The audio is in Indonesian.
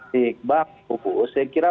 dari bank trubus saya kira